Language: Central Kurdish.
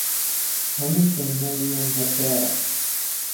هەمووشیان ناویان هەر دارە